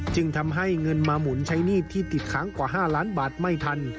จึงทำให้เงินมาหมุนใช้หนี้ที่ติดค้างกว่า๕ล้านบาทไม่ทัน